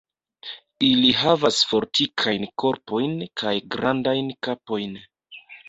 Ili havas fortikajn korpojn kaj grandajn kapojn.